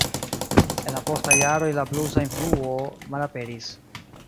En la postaj jaroj la blusa influo malaperis.